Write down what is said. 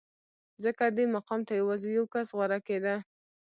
ځکه دې مقام ته یوازې یو کس غوره کېده